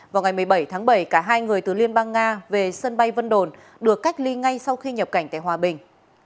vào ngày một mươi bảy tháng bảy cả hai người từ liên bang nga về sân bay vân đồn được cách ly ngay sau khi nhập cảnh tại hòa bình